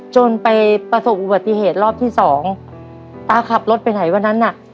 จนไปประสบอุบัติเหตุรอบที่สองตาขับรถไปไหนวันนั้นน่ะ